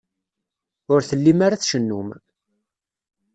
Ur tellim ara tcennum.